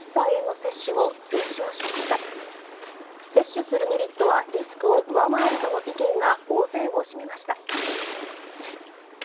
接種するメリットはリスクを上回るとの意見が大勢を占めました。